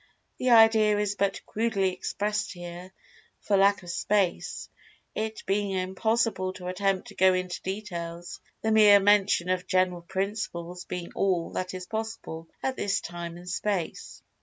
The idea is but crudely expressed here, for lack of space, it being impossible to attempt to go into details—the mere mention of general principles being all that is possible at this time and place.